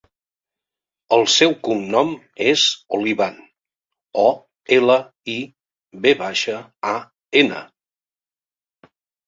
El seu cognom és Olivan: o, ela, i, ve baixa, a, ena.